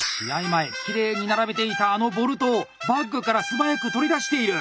前きれいに並べていたあのボルトをバッグから素早く取り出している。